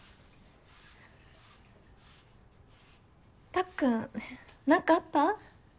たっくん何かあった？